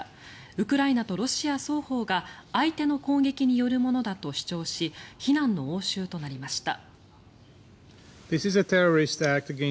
ウクライナとロシア双方が相手の攻撃によるものだと主張し非難の応酬となりました。